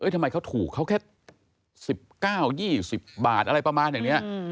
ทำไมเขาถูกเขาแค่๑๙๒๐บาทอะไรประมาณอย่างนี้